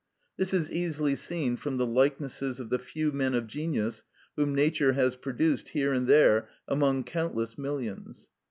This is easily seen from the likenesses of the few men of genius whom Nature has produced here and there among countless millions.